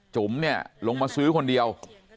จุ๋มเนี่ยลงมาซื้อคนเดียว